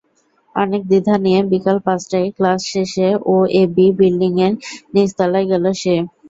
অনেক দ্বিধা নিয়ে বিকেল পাঁচটায় ক্লাস শেষে ওএবি বিল্ডিংয়ের নিচতলায় গেল সে।